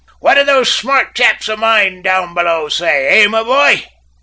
"What do those smart chaps of mine down below say, hey, my boy?"